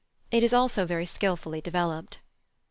It is also very skilfully developed.